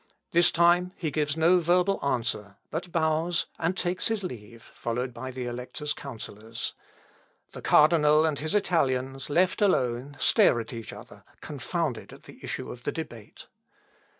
This time he gives no verbal answer, but bows and takes his leave, followed by the Elector's counsellors. The cardinal and his Italians, left alone, stare at each other, confounded at the issue of the debate.